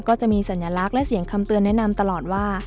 ก็จะมีสัญลักษณ์และเสียงคำเตือนแนะนำตลอดว่า